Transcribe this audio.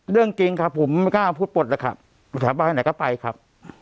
เรื่องจริงครับผมไม่กล้าพูดปลดเลยครับถามไปให้ไหนก็ไปครับ